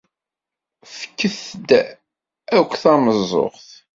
Fket-d akk tameẓẓuɣt.